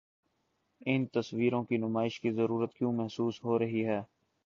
ان تصویروں کی نمائش کی ضرورت کیوں محسوس ہو رہی ہے؟